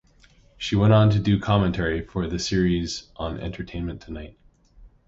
She went on to do commentary for the series on "Entertainment Tonight".